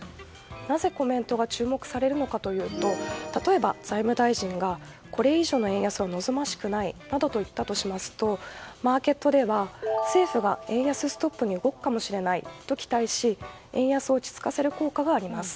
なぜ、コメントが注目されるのかというと例えば、財務大臣がこれ以上の円安は望ましくないなどと言ったとしますとマーケットでは政府が円安ストップに動くかもしれないと期待し円安を落ち着かせる効果があります。